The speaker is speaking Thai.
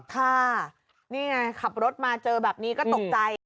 ค่ะนี่ไงขับรถมาเจอแบบนี้ก็ตกใจ